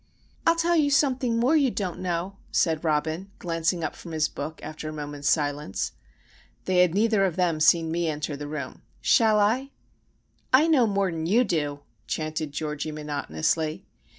"I'll tell you something more you don't know," said Robin, glancing up from his book after a moment's silence. They had neither of them seen me enter the room. "Shall I?" "I know more'n you do!" chanted Georgie, monotonously.